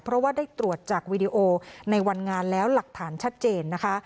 เพราะว่าได้ตรวจจากวีดีโอในวันงานแล้วหลักฐานชัดเจนนะคะ